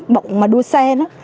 bộ mà đua xe